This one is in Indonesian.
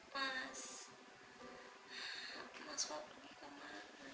mas mau pergi kemana